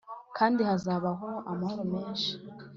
kandi hazabaho amahoro menshi,